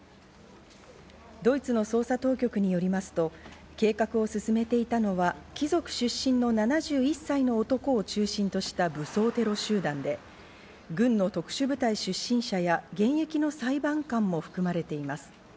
ドイツの捜査当局によりますと、計画を進めていたのは、貴族出身の７１歳の男を中心とした武装テロ集団で、軍の特殊部隊出身者や、現役の裁判官も含まれています。